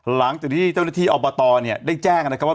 หลังจากที่เจ้าหน้าที่อบตเนี่ยได้แจ้งนะครับว่า